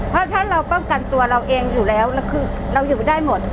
เพราะถ้าเราป้องกันตัวเราเองอยู่แล้วแล้วคือเราอยู่ได้หมด